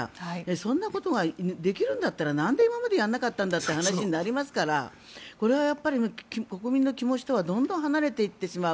そんなことができるんだったらなんで今までやらなかったんだという話になりますからこれはやっぱり国民の気持ちとはどんどん離れていってしまう。